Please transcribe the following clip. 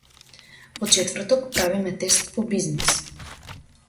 Во четврок правиме тест по бизнис.